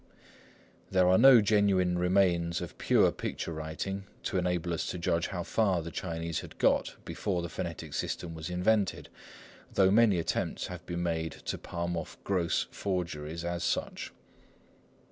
There are no genuine remains of pure picture writing, to enable us to judge how far the Chinese had got before the phonetic system was invented, though many attempts have been made to palm off gross forgeries as such.